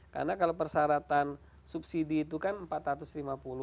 karena kalau persyaratan subjeknya itu sudah diperlukan dan diperlukan juga di pemerintah ini ya